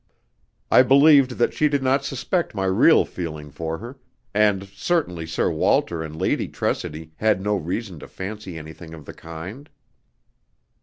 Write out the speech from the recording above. I believed that she did not suspect my real feeling for her, and certainly Sir Walter and Lady Tressidy had no reason to fancy anything of the kind.